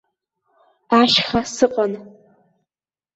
Ашьха сыҟан.